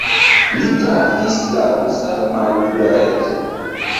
Li trafis al rusa mallibereco.